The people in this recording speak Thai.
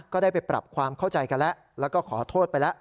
ก็ได้ไปปรับความเข้าใจกันแล้วแล้วก็ขอโทษไปแล้ว